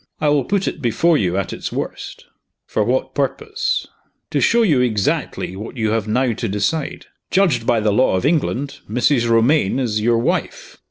I will put it before you at its worst." "For what purpose?" "To show you exactly what you have now to decide. Judged by the law of England, Mrs. Romayne is your wife.